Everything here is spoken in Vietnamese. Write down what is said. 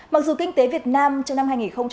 mặc dù kinh tế việt nam trong năm hai nghìn một mươi chín